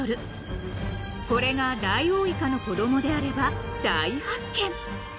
［これがダイオウイカの子供であれば大発見！］